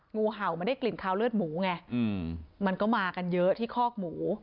งูเห่ามันได้กลิ่นคาวเลือดหมูไงมันก็มากันเยอะที่คอกหมู